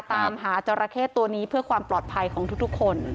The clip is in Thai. ตามหาจราเข้ตัวนี้เพื่อความปลอดภัยของทุกคน